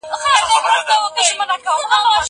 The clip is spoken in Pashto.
زه به سبا موسيقي اورم وم؟